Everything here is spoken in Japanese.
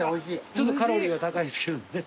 ちょっとカロリーは高いですけどね。